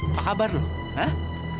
apa kabar lu hah